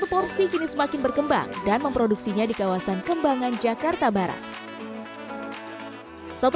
satu porsi kini semakin berkembang dan memproduksinya di kawasan kembangan jakarta barat satu